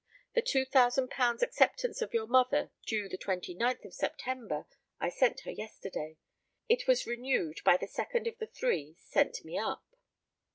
The £2,000 acceptance of your mother, due the 29th of September, I sent her yesterday. It was renewed by the second of the three sent me up."